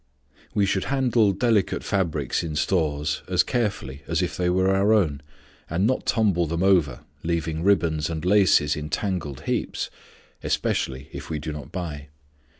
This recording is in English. We should handle delicate fabrics in stores as carefully as if they were our own, and not tumble them over, leaving ribbons and laces in tangled heaps, especially if we do not buy.